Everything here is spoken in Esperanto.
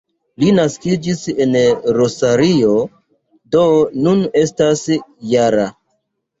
Li naskiĝis en Rosario, do nun estas -jara.